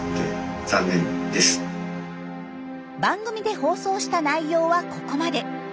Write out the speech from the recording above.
番組で放送した内容はここまで。